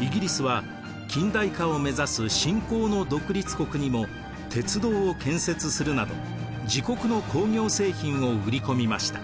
イギリスは近代化を目指す新興の独立国にも鉄道を建設するなど自国の工業製品を売り込みました。